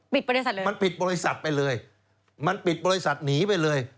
บริษัทเลยมันปิดบริษัทไปเลยมันปิดบริษัทหนีไปเลย